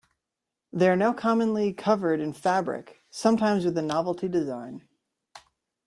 They are now commonly covered in fabric, sometimes with a novelty design.